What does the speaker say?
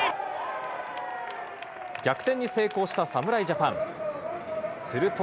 逆転に成功した侍ジャパン。